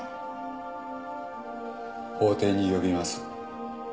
法廷に呼びます